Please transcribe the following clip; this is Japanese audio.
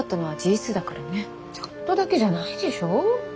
ちょっとだけじゃないでしょ。